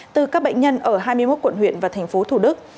từ các bệnh nhân ở hai mươi một quận huyện và tp thủ đức